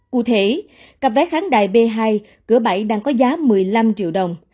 cụ thể cặp vé khán đài b hai cửa bảy đang có giá một mươi năm triệu đồng